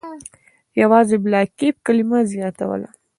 یوازې «بلاکیف» کلمه زیاتوله.